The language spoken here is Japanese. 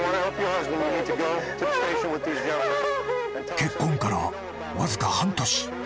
［結婚からわずか半年］